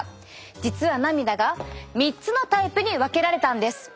実は涙が３つのタイプに分けられたんです。